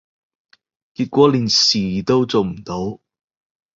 結果連事都做唔到